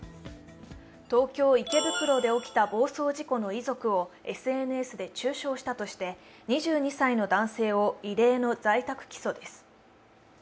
東京・池袋で起きた暴走事故の遺族をＳＮＳで中傷したとして２２歳の男性を異例の在宅起訴です。